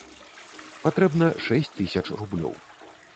Патрэбна шэсць тысяч рублёў.